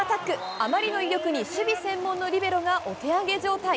あまりの威力に守備専門のリベロがお手上げ状態。